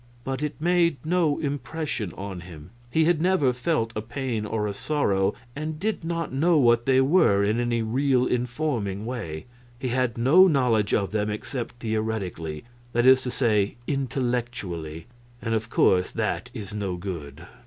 But it made no impression on him. He had never felt a pain or a sorrow, and did not know what they were, in any really informing way. He had no knowledge of them except theoretically that is to say, intellectually. And of course that is no good.